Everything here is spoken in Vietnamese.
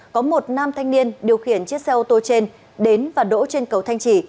có một nam thanh niên điều khiển chiếc xe ô tô trên đến và đỗ trên cầu thanh trì